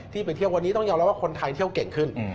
ไปเที่ยววันนี้ต้องยอมรับว่าคนไทยเที่ยวเก่งขึ้น